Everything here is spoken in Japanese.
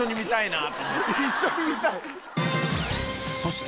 そして